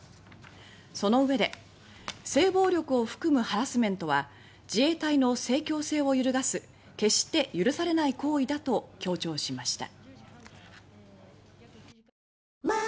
そのうえで「性暴力を含むハラスメントは自衛隊の精強性を揺るがす決して許されない行為だ」と強調しました。